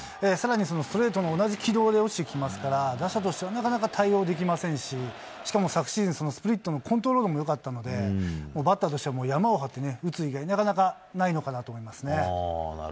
更にストレートも同じ軌道で落ちてきますから打者としてはなかなか対応できませんししかも昨シーズンスプリットのコントロールも良かったのでバッターとしてはヤマを張って打つ以外に、なかなかないのかなと思いますね。